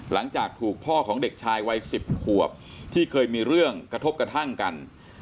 หลังจากถูกพ่อของเด็กชายวัย๑๐ขวบที่เคยมีเรื่องกระทบกระทั่งกัน